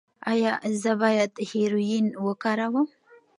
ایا زه باید هیرویین وکاروم؟